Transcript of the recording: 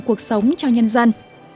cuộc sống cho nhân dân